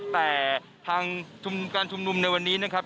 แต่ทางการชุมนุมในวันนี้นะครับ